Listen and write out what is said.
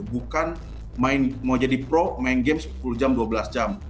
bukan mau jadi pro main game sepuluh jam dua belas jam